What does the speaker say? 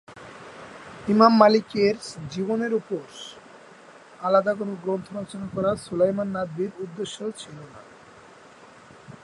ইমাম মালিকের জীবনীর উপর আলাদা কোনো গ্রন্থ রচনা করা সুলাইমান নদভীর উদ্দেশ্য ছিল না।